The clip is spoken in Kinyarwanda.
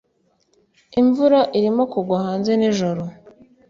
Imvura irimo kugwa hanze nijoro